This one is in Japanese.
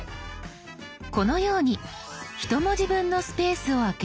このように１文字分のスペースを空ける場合。